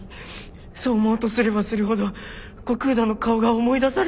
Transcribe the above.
そう思おうとすればするほど後工田の顔が思い出されるんです。